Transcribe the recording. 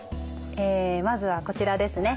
えまずはこちらですね。